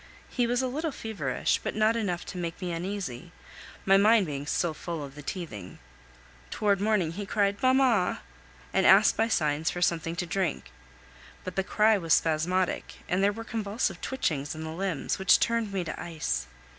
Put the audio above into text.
He was a little feverish, but not enough to make me uneasy, my mind being still full of the teething. Towards morning he cried "Mamma!" and asked by signs for something to drink; but the cry was spasmodic, and there were convulsive twitchings in the limbs, which turned me to ice.